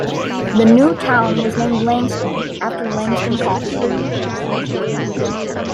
The new town was named "Langston" after Langston Coffee.